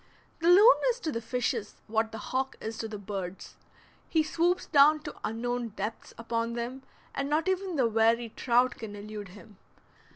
The loon is to the fishes what the hawk is to the birds; he swoops down to unknown depths upon them, and not even the wary trout can elude him.